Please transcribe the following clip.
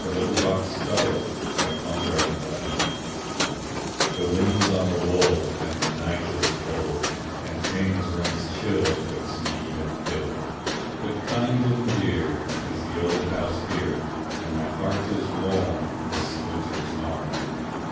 William Morris Inscription for an Old Bed THE wind's on the wold And the night is a cold, And Thames runs chill 'Twixt mead and hill. But kind and dear Is the old house here And my heart is warm Midst winter's harm.